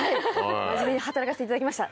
真面目に働かせていただきました。